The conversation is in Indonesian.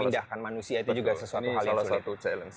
memindahkan manusia itu juga salah satu challenge